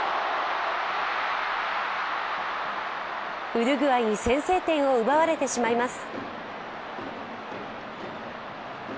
ウルグアイに先制点を奪われてしまいます。